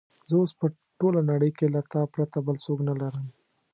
زه اوس په ټوله نړۍ کې له تا پرته بل څوک نه لرم.